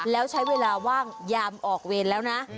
แล้วใช้เวลาว่างยามออกเวรแล้วนะ